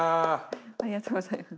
ありがとうございます。